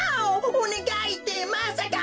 おねがいってまさか。